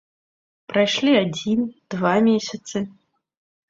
Прайшлі адзін, два месяцы.